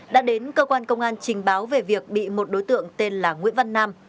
đã đến cơ quan công an trình báo về việc bị một đối tượng tên là nguyễn văn nam